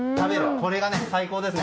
これが最高ですね。